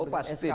oh pasti dong